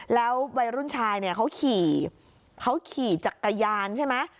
แล้ววัยรุ่นชายเนี่ยเขาขี่เขาขี่จักรยานใช่ไหม